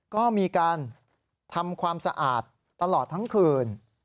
ก็มีการทำความสะอาดตลอดทั้งคืน